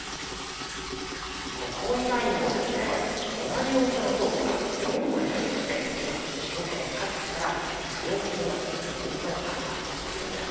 ここ以外にも同じ大きさの倉庫が４棟ありまして今、首都圏各地から不用品が次々と集まってきているんです。